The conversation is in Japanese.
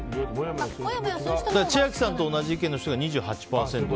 千秋さんと同じ意見の人が２８％。